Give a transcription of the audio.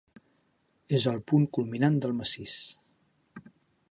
És el punt culminant del massís.